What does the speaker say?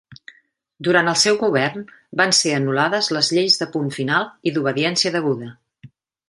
Durant el seu govern, van ser anul·lades les lleis de Punt Final i d'Obediència Deguda.